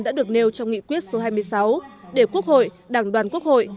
đã được nêu trong nghị quyết số hai mươi sáu để quốc hội đảng đoàn quốc hội